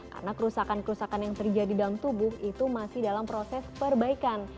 karena kerusakan kerusakan yang terjadi dalam tubuh itu masih dalam proses perbaikan